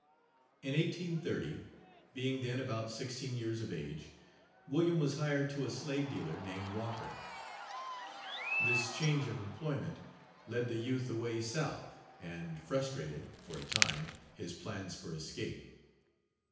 In 1830, being then about sixteen years of age, William was hired to a slave dealer named Walker. This change of employment led the youth away south and frustrated, for a time, his plans for escape.